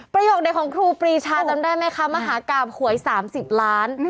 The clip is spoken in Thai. โยคเด็ดของครูปรีชาจำได้ไหมคะมหากราบหวย๓๐ล้าน